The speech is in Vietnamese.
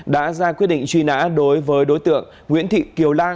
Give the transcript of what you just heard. đã ra quyết định truy nã đối với đối tượng nguyễn thị kiều lan